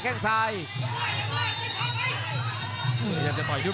กำปั้นขวาสายวัดระยะไปเรื่อย